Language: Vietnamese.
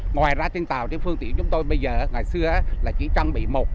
ngoài ra trên tàu trên phương tiện chúng tôi bây giờ ngày xưa là chỉ trang bị một